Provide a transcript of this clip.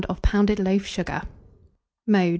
of pounded loaf sugar. Mode.